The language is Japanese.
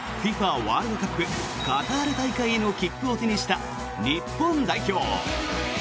ワールドカップカタール大会への切符を手にした日本代表。